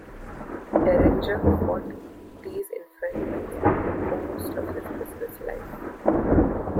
Deringer fought these infringements for most of his business life.